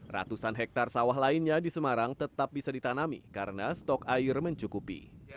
ratusan hektare sawah lainnya di semarang tetap bisa ditanami karena stok air mencukupi